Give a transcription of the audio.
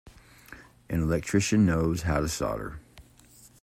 An electrician knows how to solder.